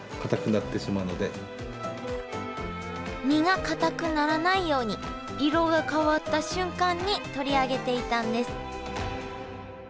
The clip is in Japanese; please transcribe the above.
身がかたくならないように色が変わった瞬間に取り上げていたんです。